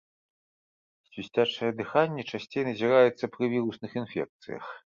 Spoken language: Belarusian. Свісцячае дыханне часцей назіраецца пры вірусных інфекцыях.